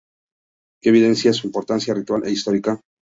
Que evidencian su importancia ritual e histórica.